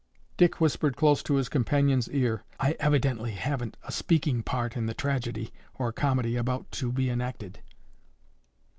Dick whispered close to his companion's ear, "I evidently haven't a speaking part in the tragedy or comedy about to be enacted."